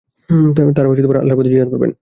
তারা আল্লাহর পথে জিহাদ করবেন।